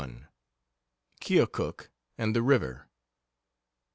KEOKUK, AND THE RIVER.